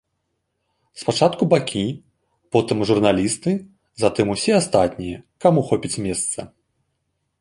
Спачатку бакі, потым журналісты, затым усе астатнія, каму хопіць месца.